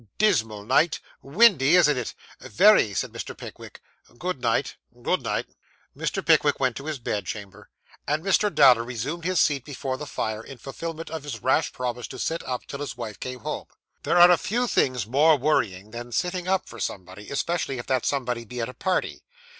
Dismal night. Windy; isn't it?' 'Very,' said Mr. Pickwick. 'Good night.' 'Good night.' Mr. Pickwick went to his bedchamber, and Mr. Dowler resumed his seat before the fire, in fulfilment of his rash promise to sit up till his wife came home. There are few things more worrying than sitting up for somebody, especially if that somebody be at a party.